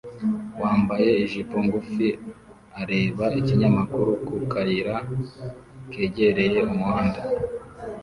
wambaye ijipo ngufi areba ikinyamakuru ku kayira kegereye umuhanda